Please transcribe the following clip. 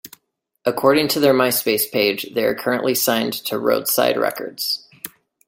According to their MySpace page, they are currently signed to Roadside Records.